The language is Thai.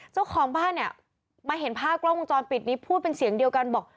เจ้าของบ้านเนี่ยมาเห็นภาพกล้องวงจรปิดนี้พูดเป็นเสียงเดียวกันบอก